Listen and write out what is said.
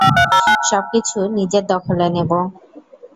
সবকিছু নিজের দখলে নেব!